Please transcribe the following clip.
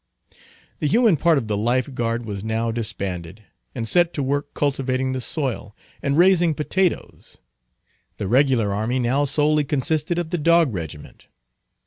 The human part of the life guard was now disbanded, and set to work cultivating the soil, and raising potatoes; the regular army now solely consisting of the dog regiment.